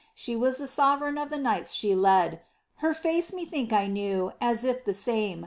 She was the sovereign of the knights she led. Her face methought I knew, as if the same.